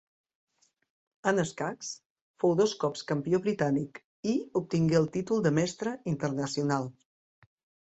En escacs, fou dos cops campió britànic, i obtingué el títol de Mestre Internacional.